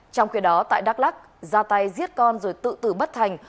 trong khi đó tại đắk lắc ra tay giết con rồi tự tử bất thành